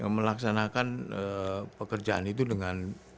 melaksanakan pekerjaan itu dengan